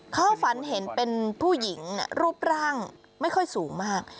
เขาฝันเห็นเป็นผู้หญิงรูปร่างไม่ค่อยสูงมาก